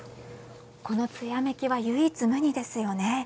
このつやめきは唯一無二ですよね。